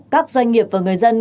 các doanh nghiệp và người dân